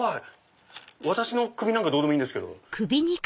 私の首なんかどうでもいいんですけど。